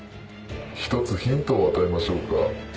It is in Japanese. １つヒントを与えましょうか。